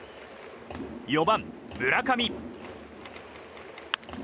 ４番、村上。